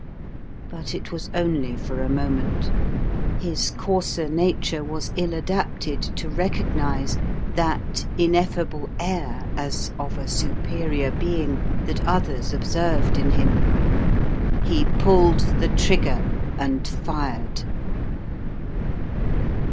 But it was only for a moment. His coarser nature was ill adapted to recognise that ineffable air as of a superior being that others observed in him. He pulled the trigger and fired.